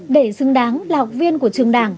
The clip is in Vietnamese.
để xứng đáng là học viên của trường đảng